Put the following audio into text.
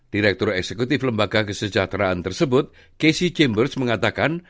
direktur eksekutif lembaga kesejahteraan tersebut kesy chambers mengatakan